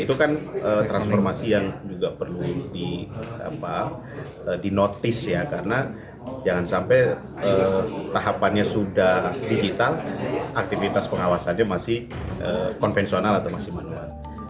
itu kan transformasi yang juga perlu dinotis ya karena jangan sampai tahapannya sudah digital aktivitas pengawasannya masih konvensional atau masih manual